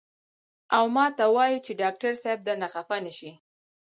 او ماته وائي چې ډاکټر صېب درنه خفه نشي " ـ